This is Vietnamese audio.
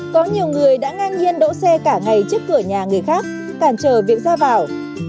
có nhiều người đã ngang nhiên đỗ xe cả ngày trước cửa nhà người khác cản trở việc ra vào